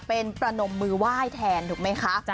เป็นประนมมือไหว้แทนถูกไหมคะ